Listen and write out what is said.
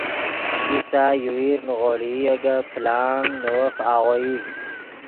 کیستہ یوویر نیغوڑئی اے گے پلانگ نے وف آغوئی